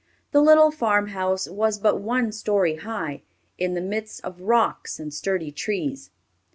The little farm house was but one story high, in the midst of rocks and sturdy trees.